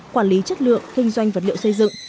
quản lý chất lượng kinh doanh vật liệu xây dựng